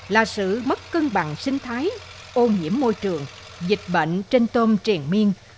là sự mất cân bằng sinh thái ô nhiễm môi trường dịch bệnh trên tôm triền miên